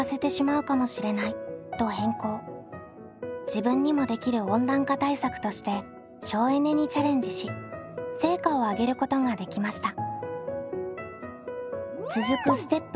自分にもできる温暖化対策として省エネにチャレンジし成果を上げることができました。